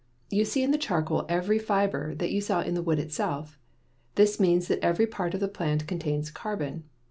You see in the charcoal every fiber that you saw in the wood itself. This means that every part of the plant contains carbon.